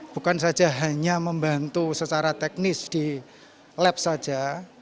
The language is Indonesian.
bukan saja hanya membantu secara teknis di lab saja